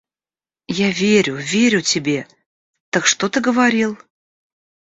Я верю, верю тебе... Так что ты говорил?